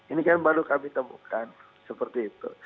ini kan baru kami temukan seperti itu